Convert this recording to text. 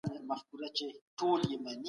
چې موږ کولای شو غوره واوسو.